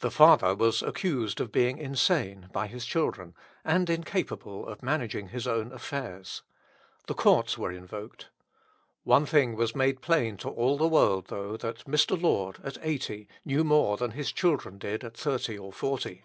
The father was accused of being insane by his children, and incapable of managing his own affairs. The Courts were invoked. One thing was made plain to all the world, though, that Mr. Lord at eighty knew more than his children did at thirty or forty.